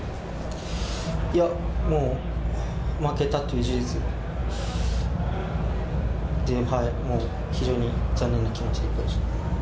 もう負けたという事実、非常に残念な気持ちでいっぱいでした。